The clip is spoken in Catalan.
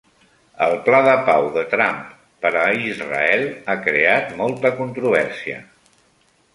El pla de pau de Trump per a Israel ha creat molta controvèrsia